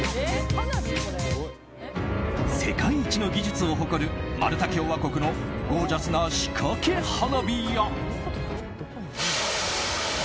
世界一の技術を誇るマルタ共和国のゴージャスな仕掛け花火や。